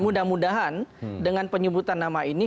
mudah mudahan dengan penyebutan nama ini